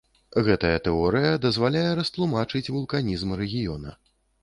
Гэтая тэорыя дазваляе растлумачыць вулканізм рэгіёна.